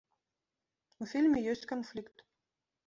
У фільме ёсць канфлікт.